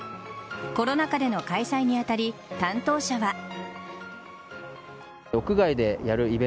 コロナ禍での開催に当たり担当者は。